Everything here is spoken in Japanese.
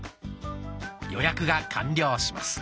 予約が完了します。